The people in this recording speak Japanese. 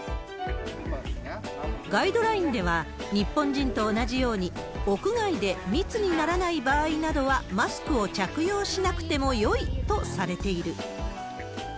ガイドラインでは、日本人と同じように、屋外で密にならない場合などはマスクを着用しなくてもよいとされている。